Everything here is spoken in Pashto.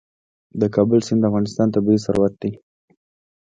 د کابل سیند د افغانستان طبعي ثروت دی.